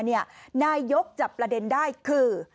นายกรัฐมนตรีจับประเด็นได้คือ